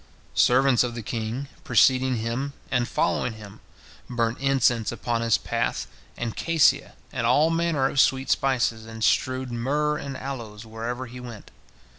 Servants of the king, preceding him and following him, burnt incense upon his path, and cassia, and all manner of sweet spices, and strewed myrrh and aloes wherever he went.